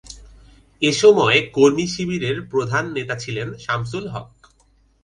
এসময় কর্মী শিবিরের প্রধান নেতা ছিলেন শামসুল হক।